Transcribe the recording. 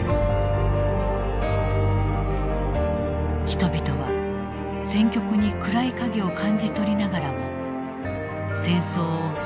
人々は戦局に暗い影を感じ取りながらも戦争を支持し続けた。